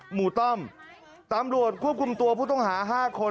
ต้อมตำรวจควบคุมตัวผู้ต้องหา๕คน